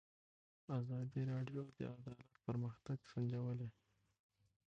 ازادي راډیو د عدالت پرمختګ سنجولی.